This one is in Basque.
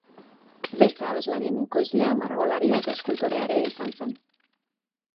Beste abeslarien ekoizlea, margolaria eta eskultorea ere izan zen.